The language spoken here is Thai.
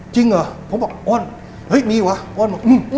จริงเหรอผมบอกโอ่นมีวะโอ่น